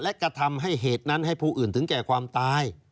และกระทำให้เหตุนั้นให้ผู้อื่นถึงแก่ความตาย